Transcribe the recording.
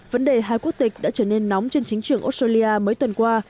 vấn đề hai quốc tịch đã trở nên nóng trên chính trường australia mấy tuần qua